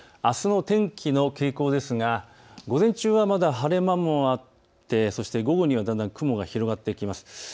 あすの天気の傾向ですが午前中はまだ晴れ間もあって午後にはだんだん雲が広がってきます。